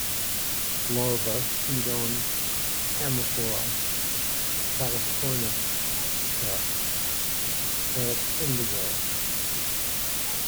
Larvae feed on "Amorpha californica", false indigo.